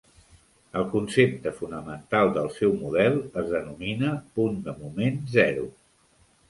El concepte fonamental del seu model es denomina Punt de moment zero.